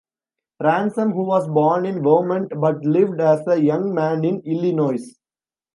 Ransom, who was born in Vermont but lived as a young man in Illinois.